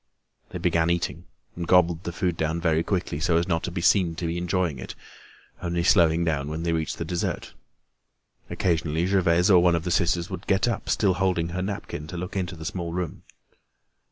They began eating and gobbled the food down very quickly, so as not to seem to be enjoying it, only slowing down when they reached the dessert. Occasionally Gervaise or one of the sisters would get up, still holding her napkin, to look into the small room.